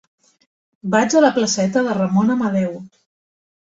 Vaig a la placeta de Ramon Amadeu.